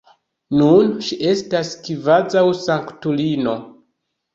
Nun ŝi estas kvazaŭ sanktulino.